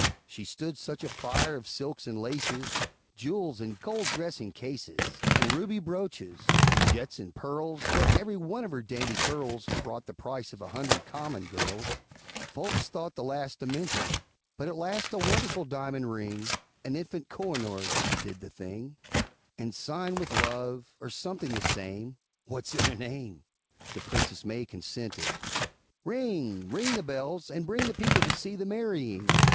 She stood such a fire of silks and laces, Jewels and gold dressing cases, And ruby brooches, and jets and pearls, That every one of her dainty curls Brought the price of a hundred common girls; Folks thought the lass demented! But at last a wonderful diamond ring, An infant Kohinoor, did the thing, And, sighing with love, or something the same, (What's in a name?) The Princess May consented. Ring! ring the bells, and bring The people to see the marrying!